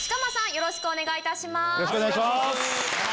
よろしくお願いします！